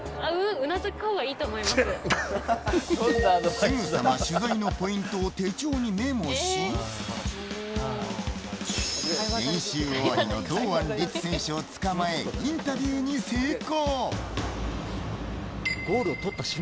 すぐさま取材のポイントを手帳にメモし練習終わりの堂安律選手をつかまえインタビューに成功！